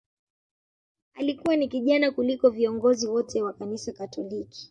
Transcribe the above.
Alikuwa ni kijana kuliko viongozi wote wa kanisa Katoliki